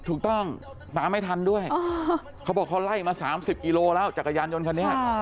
ถูกต้องตามไม่ทันด้วยเขาบอกเขาไล่มา๓๐กิโลแล้วจักรยานยนต์คันนี้